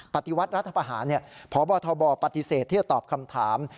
ปฏิวัติรัฐประหารพบทบปฏิเสธที่จะตอบคำถาม